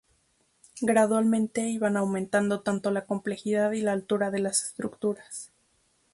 Gradualmente iban aumentando tanto la complejidad y la altura de las estructuras.